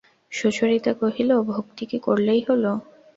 সুচরিতা কহিল, ভক্তি কি করলেই হল?